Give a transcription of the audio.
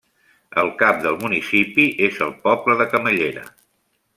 El cap del municipi és el poble de Camallera.